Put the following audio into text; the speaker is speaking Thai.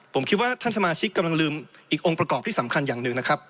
ผมคิดว่าท่านสมาชิกกำลังลืมอีกองค์ประกอบที่สำคัญอย่างหนึ่งนะครับ